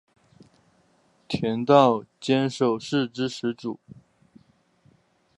田道间守是之始祖。